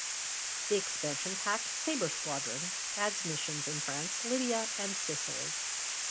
The expansion pack "Sabre Squadron" adds missions in France, Libya and Sicily.